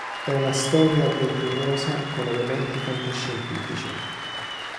È una storia avventurosa con elementi fantascientifici.